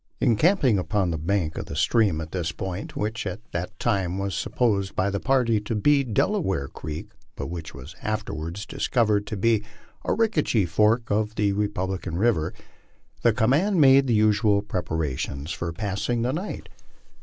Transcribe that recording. Encamping upon the bank of the stream at this point which at that time was supposed by the party to be Delaware creek, but which was afterwards discovered to be Arickaree fork of the Republican river the command made the usual preparations for passing the night.